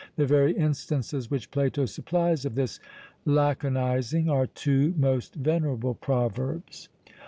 The very instances which Plato supplies of this "laconising" are two most venerable proverbs.